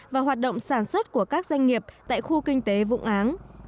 và hoạt động sản xuất của các doanh nghiệp tại khu kinh tế vụng áng